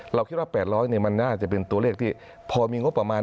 เราคิดว่า๘๐๐มันน่าจะเป็นตัวเลขที่พอมีงบประมาณ